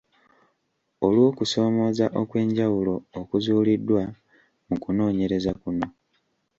Olw’okusomooza okw’enjawulo okuzuuliddwa mu kunoonyereza kuno.